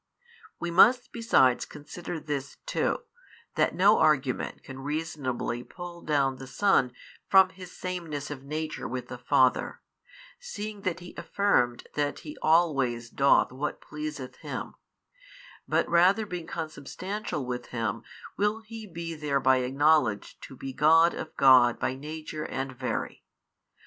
We must besides consider this too, that no argument can reasonably pull down the Son from His sameness of Nature with the Father, seeing that He affirmed that He always doth what pleaseth Him, but rather being Consubstantial with Him will He be thereby acknowledged to be God of God by Nature and Very.